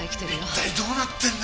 一体どうなってんだよ。